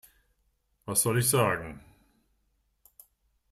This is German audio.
Was soll ich sagen?